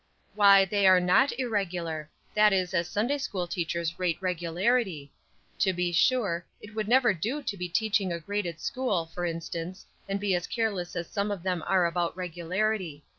"Why, they are not irregular; that is as Sunday school teachers rate regularity. To be sure, it would never do to be teaching a graded school, for instance, and be as careless as some of them are about regularity.